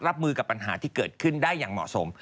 รับมือกับปัญหาที่เกิดขึ้นได้อย่างเหมาะสม